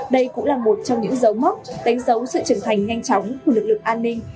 đây cũng là một trong những dấu mốc đánh dấu sự trưởng thành nhanh chóng của lực lượng an ninh